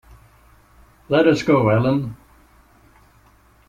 Let us go, Ellen.